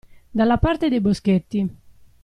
Dalla parte dei Boschetti.